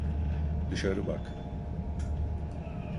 Dışarı bak.